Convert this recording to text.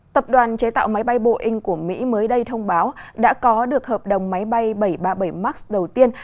tập đoàn chế tạo máy bay boeing của mỹ mới đây thông báo đã có được hợp đồng máy bay bảy trăm ba mươi bảy max đầu tiên